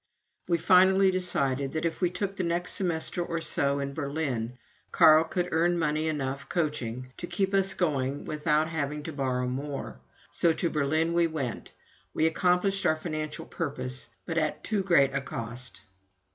We finally decided that, if we took the next semester or so in Berlin, Carl could earn money enough coaching to keep us going without having to borrow more. So to Berlin we went. We accomplished our financial purpose, but at too great a cost.